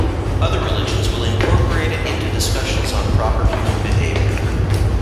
Other religions will incorporate it into discussions on proper human behavior.